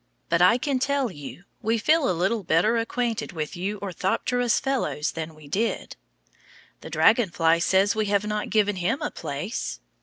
But I can tell you, we feel a little better acquainted with you orthopterous fellows than we did. The dragon fly says we have not given him a place.